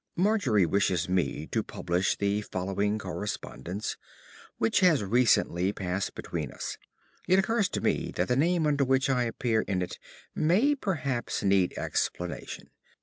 Margery wishes me to publish the following correspondence, which has recently passed between us. It occurs to me that the name under which I appear in it may perhaps need explanation.